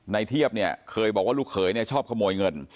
เทียบเนี่ยเคยบอกว่าลูกเขยเนี่ยชอบขโมยเงิน